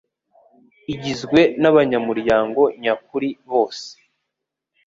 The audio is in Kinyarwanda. igizwe n abanyamuryango nyakuri bose